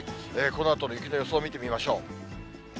このあとの雪の予想を見てみましょう。